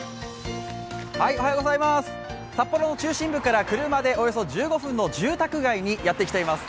札幌の中心部から車で１５分ほどの住宅街にやってきています。